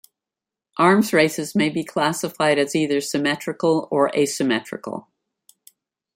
Arms races may be classified as either symmetrical or asymmetrical.